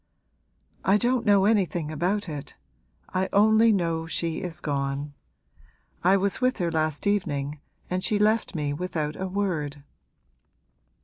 'I don't know anything about it. I only know she is gone. I was with her last evening and she left me without a word.'